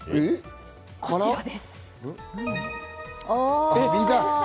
こちらです。